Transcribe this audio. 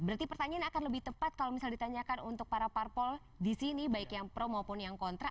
berarti pertanyaan akan lebih tepat kalau misalnya ditanyakan untuk para parpol disini baik yang pro maupun yang kontra